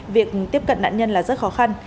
việc tiếp cận nạn nhân là rất khó khăn